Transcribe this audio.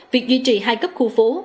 việc duy trì hai cấp khu phố